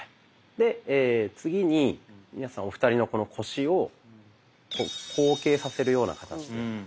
で次に皆さんお二人のこの腰をこう後傾させるような形で。